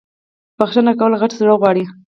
بخښنه کول غت زړه غواړی